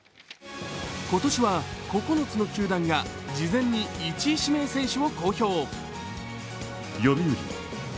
今年は９つの球団が事前に１位指名選手を公表。